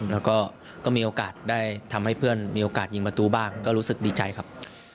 แล้วก็มีโอกาสได้ทำให้เพื่อนมีโอกาสยิงประตูบ้างก็รู้สึกดีใจครับ